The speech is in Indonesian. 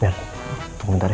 nih tunggu bentar ya